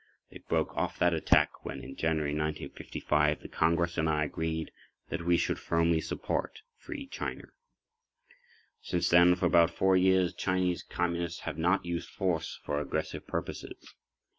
They broke off that attack when, in January 1955, the Congress and I agreed that we should firmly support Free China. Since then, for about 4 years, Chinese Communists have not used force for aggressive purposes.